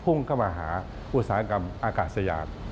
พุ่งเข้ามาหาอุตสาหกรรมอากาศยาน